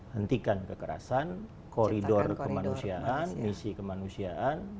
hentikan kekerasan koridor kemanusiaan misi kemanusiaan